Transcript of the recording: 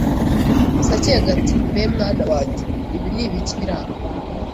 Sacyega ati mbe mwana wanjye ibi ni ibiki biri aha